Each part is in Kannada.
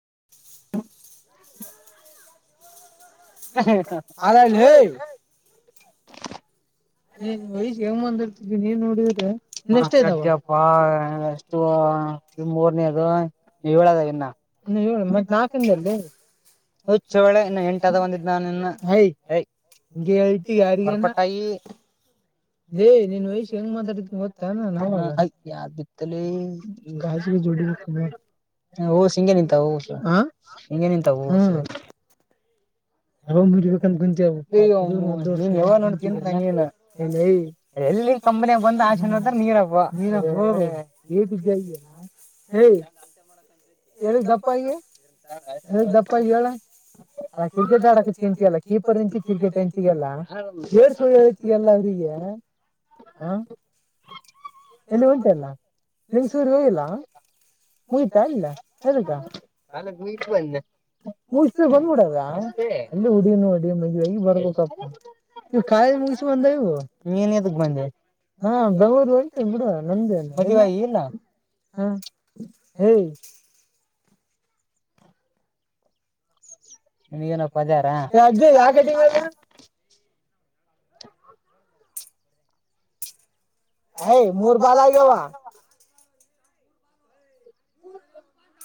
ಏ [inaudible] ಅಲ್ಲ [inaudible] ಏ ವಯಸದರ್ತಿದ್ವಿ ನೀವ್ ನೋಡಿದ್ರೆ ಇಷ್ಟ ಮೂರನೇ ಅದು ನೀ ಏದ ಇನ್ನ ಮತ್ತ ನಾಕನಲ್ಲಿ ಹ ಚಳೆ ಇ ಎಂಟದ ಬಂದಿದ್ದ್ ನಾನನ್ನ ಯಯ ಹಗೆಟ್ಟು ಯಾರಿಗಾಯಿ ಏ್ನ್ ವಯಷ್ ಹೆಂಗ್ ಮಾತಾಡಿದ ಗೊತ್ತ ಬಿತ್ತ ಓ ಹಿಂಗಗೆ ನಿಂತ ಹಂಗಗೆ ನಿಂತ ಹ ಯಾಗರಿಬೇಕಂ ನೋಡ್ ಇಲ್ಲಯ ಎಲ್ಲಿ ಕಪನಿಯಾಗ ಬಂದ ಆಶೆತ ನೀರ ಹಬ್ ನೀ ಹೇಳಏ ಹೇಳಿದ ದಪ್ಪ ಹೇಳ ದಪ್ಪ ಹೇಳ ಕ್ರಿಕೆಟ್ ಆಡಕ ಚಂತಲ್ಲ ಕೀಪರ್ ಇಂತ ಕ್ರಿಕೆಟ್ ಹೆಂಂತಗಲ್ಲ ಲ್ಲ ಅವ್ರಿಗೆ ಹ ಇಲ್ಲಿ ಉಂಟೆ ಅಲ್ಲ ನಿಂಗಸೂರ್ಗೆ ಹೋೋಗಿಲ್ಲ ಮುಯ್ತಾ ಇಲ್ಲ ಮುಗ ಬಂದ್ಬಿಡವ ಎಲ್ಲ ಉಡಿ ನ ಹೊಡಿ ಮಗಿ ಬರ್ಬೇಕಪ್ಪ ನೀ ಕಾಯಿ ಮುಗ ಬಂದವು ಮೀನದಕ್ ಬಂದ ಹಾ ಬೆಂಗರು ಅಂತ ಬಿಡುವ ನಂದ ಇಲ್ಲ ಹಾ [inaudible] ನಿನ್ಗ ಏನಪ್ಪ ಅದಾರ ಯಾಕ ಯ್ ಮೂರ್ ಬಲ್ ಆಗ್ಯಾವ [inaudible]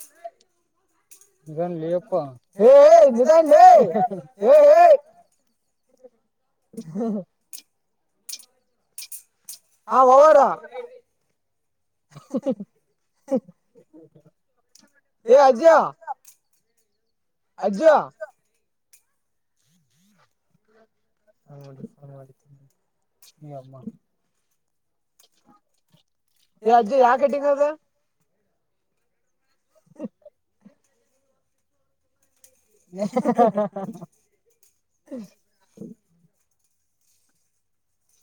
ಅದು [inaudible] ನಿಧಾನಲಿಪ್ಪ ನಿಧಾನ ಹಾ [inaudible] ಹಾ ಹರ [inaudible] ಹ ಅಜಜಯ ಅಜ [inaudible] ನದು [inaudible] ಯ ಯೋಗ [inaudible] ಈ ಅಜ್ಜು ಯಾಕಟ್ಟಿಂಗ ಅದ ಹ [inaudible] ಹಹಾ [inaudible]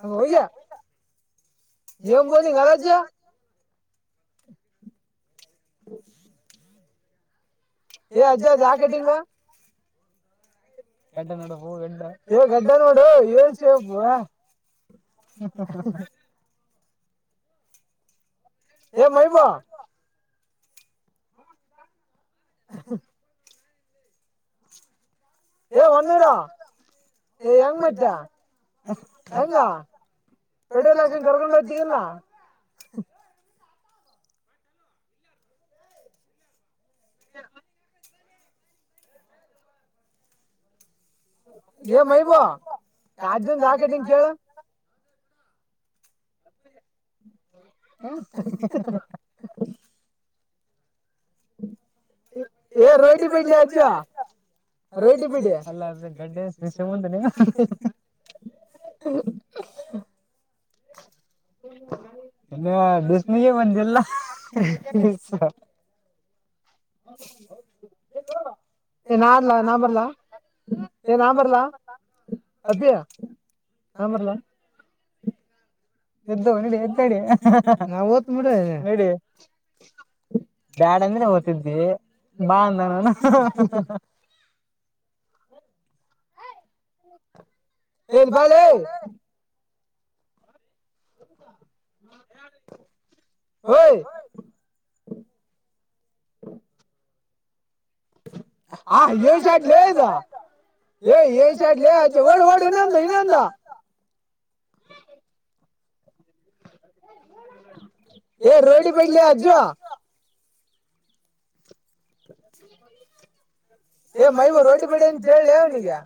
ಹ ಹ ಮ ಬೋಲಿ ನಾರಾಜ [inaudible] ಹ್ಮ [inaudible] ಏ ಅಜ್ಜ ಅದ್ ಯಾಕೇಟಿಂಗ ಗಡ್ಡ ನೋಡ ಪೂ ಗಡ್ಡ ಏ ಗಡ್ಡ ನೋಡು ಏಳ್ಚವ ಪೂ ಹ್ಮ ಹಾ ಹ ಏ ಮಹಬುವ [inaudible] ಹ [inaudible] ಏ ಒನ್ನೂರ ಏ ಹೆಂಗ ಮೈತ್ಯ ಹೆಂಗ ಪಡೆ ಎಲ್ಲಕ್ಷನ್ ಕರ್ಕೊಂದೋತ್ತಿಲ್ಲ ಏ ಮೈಬೂ ರಾಜಂದ ಯಾಕೆನ್ ಕೇಳ ಹ [inaudible] ಎ ರೋಟಿ ಬೈ [inaudible] ರೇಟಿ ಬಿಡಿ ಅಲ್ಲ ಗಡ್ಡೆ ಸಶ ಮುಂದ ನೀನು ಹ [inaudible] ಇಲ್ಲ ಬಿಸಮಿಗೆ ಬಂದಿಲ್ಲ [inaudible] ಹ [inaudible] ಏನ ಅಲಾ ನಾ ಬರ್ಲಾ ಏನ ಬರ್ಲಾ ಅಬಿಯ ಹಾ ಬರ್ಲಾ [inaudible] ಎದ್ದುಡಿ ಎದ್ದಡಿ ನಾವು ಓದತ್ ಬಿಡ ನಡಿ ಬ್ಯಾಡ ಅಂದ್ರೆ ಓದ್ತಿದ್ದ ಅ ಬಾಂದಾನ [inaudible] ಹ [inaudible] ಹೇಳ ಬಾಲ [inaudible] ನಠಛೌ [inaudible] ಓಹೀ [inaudible] ಹಾಯವಿ ಶಟ್ ಲಯದ ಏ ಎ ಸ ಲ ವಡ ವಡ ಇನಂದ ಇನಂದ ಎ ರೋಡಿ ಬೈಲಿ ಅಜ ಎ ಮೈ ರೋಟಿ ಬಟ್ಟ ತಳ ಲೇಔ ಗ [inaudible]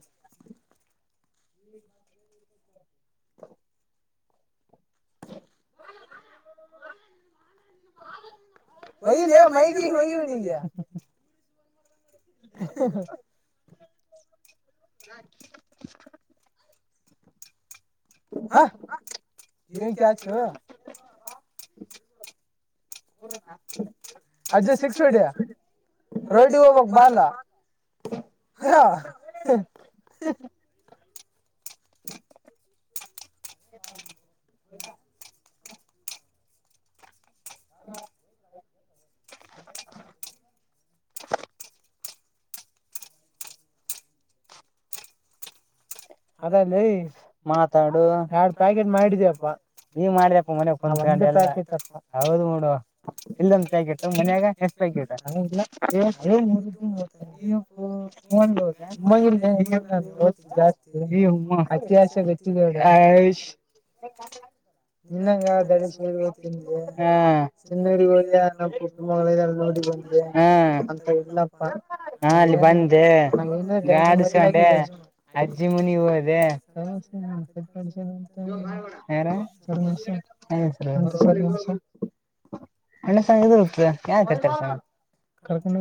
ಟಕ್ [inaudible] ವ ಮಹಗೆ ನೀ ನೀ [inaudible] ಹ [inaudible] ಹ ನೀ ಕ [inaudible] ಅಜ್ಜಿ ಸಿಕ್ಸ್ ಓದಿ ರೋಡಿಗೆ ಹೋಗಬಕ್ ಬಲ್ ಹ [inaudible] ಊ [inaudible] ತು [inaudible] ಹ್ಮ [inaudible] [inaudible] ಅದಲ್ಲಿ ಮಾತಾಡು ಎರಡು ಪ್ಯಾಕೆಟ್ ಮಾಡಿದೀಪ್ಪಾ ನೀ ಮಾಡಿದಪ್ಪ ಮನ ಹೌದು ನೋಡುವ ಇಲ್ಲಂದಕಿಟ್ಟ ಮನ್ಯಾಗ ಎಷ್ಟ್ಯ ಹರತ್ತು ಜಾಸ್ತಿ [inaudible] ಹಮ್ಮ ಹತ್ತಸಚ್ಚ ಆಯಷ [inaudible] ನಿನ್ನಂಗ ದಡೇಶ್ ತಿನ್ಗೆ ಚನ್ನಗಳ ನೋಡಿ ಹ ಹ ಅಲ್ಲಿ ಬಂದೆ ಗಾಕ [inaudible] ಜ [inaudible] ಅಜಿಮನಿ ಹದೆೇ ಯಾರ [inaudible] ಅಣ್ಣಸ ಹೋಗ್ತದೆ ಯಾತಿಸಣ ಕಡಕೊಂಡ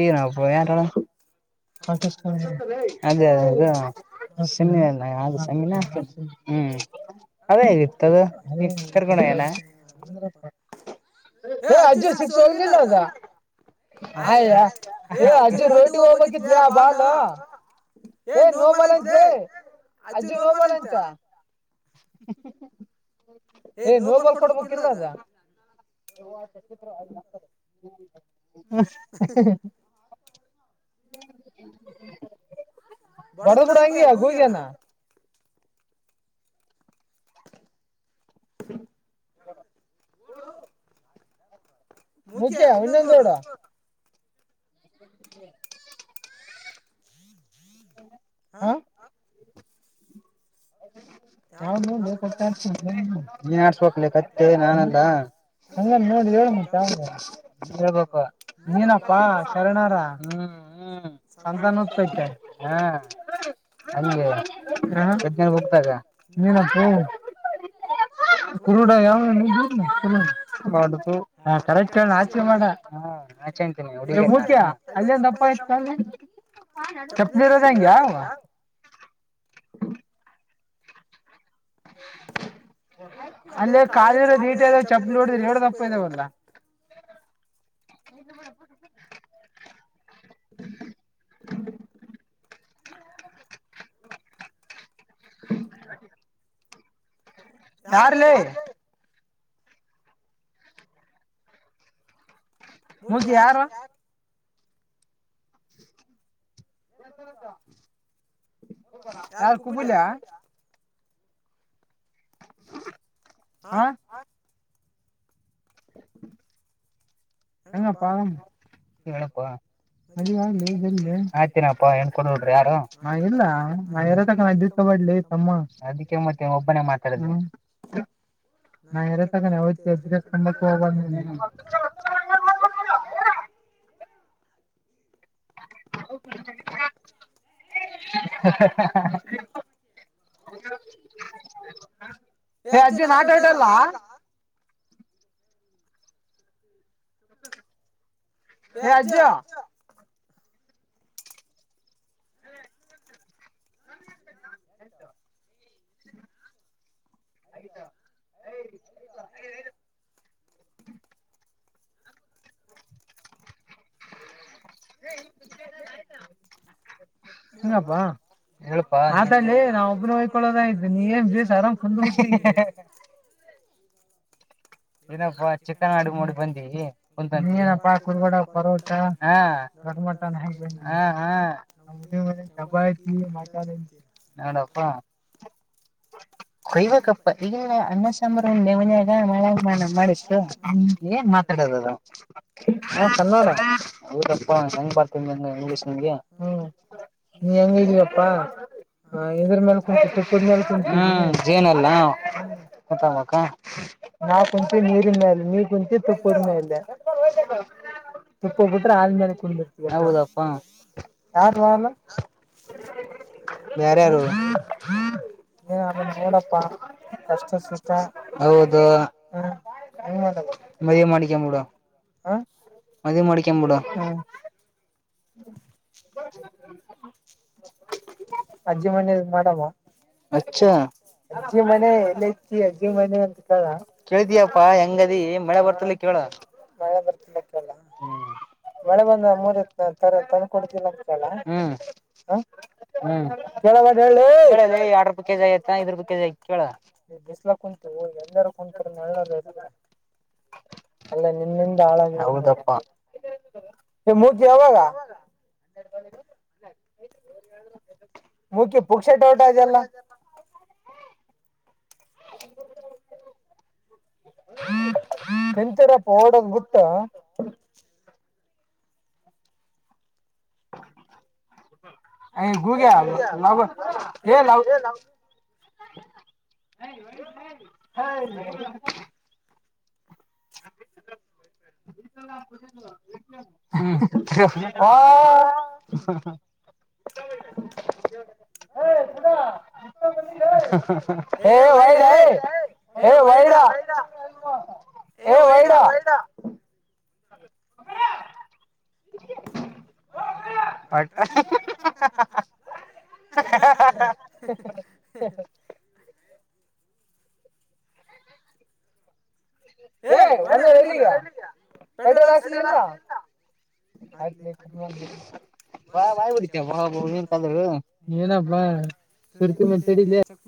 ಏನ ಏನ್ಟಣ [inaudible] ಪತ ಅದೇ ಅದೇ ಅದ [inaudible] ಅ ಸಂಗಿನ ಹ್ಮ್ ಅದೇತ್ತುದು ಕರ್ಕೊಂಡ [inaudible] ಏ ಅಜ್ಜು ಸಿಕ್ಸ್ ಹೋಗ್ಲಿಲ್ಲ ಅದ [inaudible] ಆಯ ಅಜ್ಜು ರೋಟಿ ಹೋಗ್ಬೇಕಿದ್ಯಾ ಬಾಲ್ [inaudible] ಏ ನೋಬಾಲ ಅಂತ ಅಜ್ಜು ನೋಬಲ ಅಂತ [inaudible] ಏ ನೋಬಲ್ ಕೊಡ್ಬೇಕಕ್ಲ್ ಅದ [inaudible] ಹ [inaudible] ಹ [inaudible] ಬಡ ಬಡ ಹಂಗಗೆಗ ಹೋಗನಾ [inaudible] ಸ [inaudible] ಮುಖ್ಯ ವಿನ್ನಂದಡ ಹ [inaudible] ಹ್ಮ ನೀನ್ ಆಡ್ಸ್ಕ್ ಕತ್ತೆ ನಾನಲ್ಲ [inaudible] ಹಂಗ ನೋಡ ಹೇಳಂಟ ಹೇಳ್ಬೇಕು ನೀನಪ್ಪಾ ಶರಣಾರ ಹ್ಮ [inaudible] ಹಾ ಹಾ [inaudible] ಸಂತಾನ ಉತ್ಕ್ಕೆ ಹಾ ಹಂಗೆ ಬೋಗತಾಗ [inaudible] ನೀನು [inaudible] ಹಪ್ಪ ಕುರುಡ ಯಾವ ಕುು ಕರೆಕ್ಟ್ ಹೇಳ ಆಚೆ ಮಾಡ [inaudible] ನಾ ಚೆಂತೀನಿ ಹ ಅಲ್ಲಿ ಒಂದ ಅಪ್ಪ ಇ [inaudible] ಚಪ್ಪನೆರದೇಗೆ ಯ [inaudible] ಹ [inaudible] [inaudible] ಅಲ್ಲೇ ಕಾಲಿ ನೀಟ ಅವ ಚಪ್ಪಲಿ ನೋಡಿದ ನೋಡದಪ್ಪ ಇದಾವಲ್ಲ [inaudible] [inaudible] ಹ [inaudible] ಹ [inaudible] ಯಾರಲ್ಲ ಮುಗಿ ಯಾರು [unintelligible] ಯಾರ ಕುಬಲ್ಯ ಹಾ ಹಂಗಪ್ಪಾದಾಮ ನನಪಾ [inaudible] ಅ ಆಗ್ ಅಯ್ತೇನಪ್ಪ ನಪ್ಪಾ ಎನ್ಕೊಂಡ ಬಿಡ್ರಿ ಯಾರು ನಾ ಇಲ್ಲ ನಾರ ತ ಮಾಡ ತಮ್ಮ ಅದಕ್ಕೆ ಮತ್ತೆ ಒಬ್ಬನೇ ಮಾತಾಡ ನಾ ಎಾರ ತಗಾನ ಯ್ತ ಎ್ರ ತುಂಬಕ್ಕೆ ಹೋಗ [inaudible] ಹ [inaudible] ಏ ಅಜ್ಜಿ ನಾಗೌಟಲ್ಲ [inaudible] ಹ ಅಜ [inaudible] ಆಯತಾ ಯ ಯತಾ [inaudible] [inaudible] ಹ [inaudible] ಹಂಗಪ್ಪಾ [inaudible] ಪಾ ನಿ ನಾವ ಒಬ್ಬನ ಹಯ್ಕೊೊಳ್ಳೋದಯ್ತು ನೀ ಏನ್ ಬೇಸ ಆರಾಮ್ ಕು [inaudible] ಏನಪ್ಪ ಚಿಕನ್ ಅಡು ಮೂಡಿ ಬಂದಿ ಕುಗ ಪರೋಟ ಹಾ ದೊಡ್ ಮಟ್ಟನ್ ಹೇ ಹ ಹಬ ಐತಿ ಮಾಡ ನಡ ಹಾ ಕೊಯ್ಬೇಕಪ್ಪ ಈಗಲ್ಲ ಅನ್ನ ಸಾಂಬಾರು ಒೇ ಮನ್ ಮಾಡಿತ್ತು ಏನ್ ಮಾತಾಡೋದ ಅದವಾರ ಹೆಂಗ್ ಪತೀನ ಹೆಂಗ ಇಂಗ್ಲೀಷ್ ನಿಗೆ ಹ್ಮ್ ನೀ ಹೆಂಗ ಇದೀಪ್ಪಾ ಹ ಇದ್ರ ಮೇಲ್ ಕುಂಟಿು ಕುಡ ಮೇಲ್ ಕುಂಟ [inaudible] ಏನಲ್ಲ ಗೊತ್ತಕ್ಕ ನಾ ತುಪ ನೀರಿನ ಮೇಲೆ ನೀ ಗುಂತಿ ತುಪ್ಪೂರ್ ಮೇಲೆ ತುಪ್ಪ ಬಿಟ್ರೆ ಆದ ಮೇಲೆ ಕುೊಂಡಿರ್ತೀವಿ ಹೌದಪ್ಪಾ ಯಾರ ವಾರಲ್ಲ ಬೇರೆ ಯಾರು [inaudible] ನೋಡಪ್ಪಾ ಕಷ್ಟ ಸತ ಹೌದು [inaudible] ಹ ಮದ ಮಾಡಿಕ ಮೂಡ [inaudible] ಹ ಮದ ಮಾಡಿಕ ಬಿಡೋ ಹ [inaudible] ಅಜ ಮ ಮಾಡ ಅ ಅಜ್ಜಿ ಮನೆ ಎಲ್ಲ ಇತಿ ಅಜ್ಜಿ ಮನೆ ಅಂತ ಕ [inaudible] ಎಲ್ ಹೆಂಗ ಮ ಮಳೆ ಬರತ್ತಲ್ಲ ಕೇಳ ಮಳೆ ಬಂದ ಮೂರು ತರ ತಂದು ಕೊಡ್ತಿಲ್ಲ ಅಂತಲ್ಲ ಹ್ಮ್ ಎರ ರೂಪಿ ಕೆಜಿ ಆಗತ ಇದ ರೂಪಿ ಕೆಜಿ ಆಐ ಕೇಳ ಹ ಎಲ್ಲಾರ ಕುಂತಾರೆ ನಲ್ಲದ ಅಲ್ಲ ನಿನ್ನಿಂದ ಆಳ ಹೌದಪ್ಪಾ ಇ ಮುಗಿ ಯಾವಾಗ [inaudible] ಮುಖ್ಯ ಪುಕ್ಷಟೋಟಲ್ಲ [inaudible] ಹ್ಮ [inaudible] ಕೆಂಚರ ಪ ಓಡಂಗ್ ಬಿುಟ್ಟ [inaudible] ಅ ಗುಗ ಲ ಹ [inaudible] ಹಾ [inaudible] ಹ [inaudible] ಇ [inaudible] ಹ [inaudible] ಹ ಸದಾ [inaudible] ಹ ವೈಡ್ ಹ ವೈಡ [inaudible] ವೈಡ ವೈಡ [inaudible] ಬಟ [inaudible] [inaudible] ಏ ಒಂದೂ ರೈಲ್ಲಿಗೆ ಪೆಟ್ರೋಲ್ ಹಾಕ್ತ ಇಲ್ಲ [inaudible] ಆಯ್ತ ಕದಮ [inaudible] ನೀ ಏನಪ್ಪಾ ಸರ್ತ ತಡಿ ಚ [inaudible]